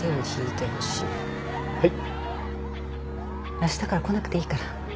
あしたから来なくていいから。